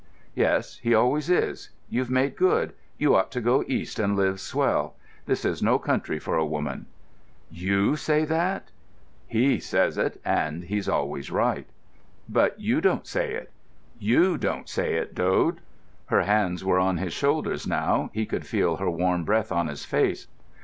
"Yes, he always is. You've made good—you ought to go East and live swell. This is no country for a woman." "You say that?" "He says it, and he's always right." "But you don't say it—you don't say it, Dode!" Her hands were on his shoulders now, he could feel her warm breath on his face.